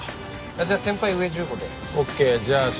じゃあ先輩上１５で。